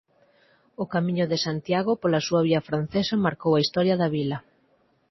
O Camiño de Santiago pola súa vía francesa marcou a historia da vila.